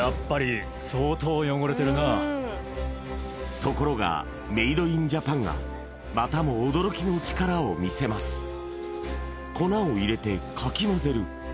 ところがメイドインジャパンがまたも驚きの力を見せます粉を入れてかきまぜる